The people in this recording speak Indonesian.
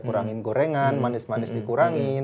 kurangin gorengan manis manis dikurangin